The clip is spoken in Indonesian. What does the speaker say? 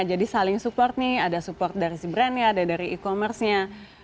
jadi saling support nih ada support dari si brandnya ada dari e commerce nya